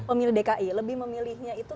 pemilih dki lebih memilihnya itu